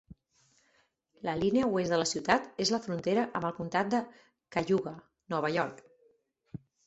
La línia oest de la ciutat és la frontera amb el comtat de Cayuga, Nova York.